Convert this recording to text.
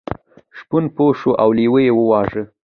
شپون پوه شو او لیوه یې وواژه.